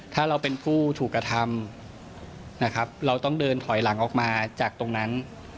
ถ้าเราเป็นผู้ถูกกระทำนะครับเราต้องเดินถอยหลังออกมาจากตรงนั้น